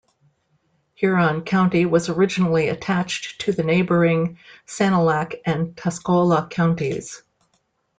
Huron County was originally attached to neighboring Sanilac and Tuscola counties.